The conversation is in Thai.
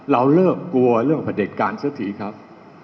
เราเลิกกลัวเรื่องประเด็จการเสียทีครับ